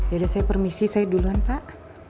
saya permisi saya duluan pak